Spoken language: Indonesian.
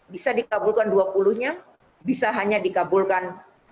bisa dikabulkan dua puluh nya bisa hanya dikabulkan